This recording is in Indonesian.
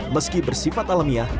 meski bersifat alamiah